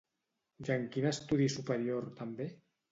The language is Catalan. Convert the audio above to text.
I en quin estudi superior també?